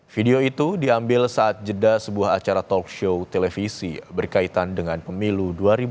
video itu diambil saat jeda sebuah acara talk show televisi berkaitan dengan pemilu dua ribu dua puluh